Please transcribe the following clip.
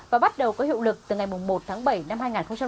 và bắt đầu có hiệu lực từ ngày một tháng bảy năm hai nghìn năm